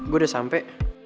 gue udah sampe